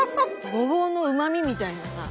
ごぼうのうまみみたいなさ